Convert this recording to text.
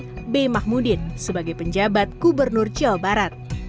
pak jokowi mahmudin sebagai penjabat gubernur jawa barat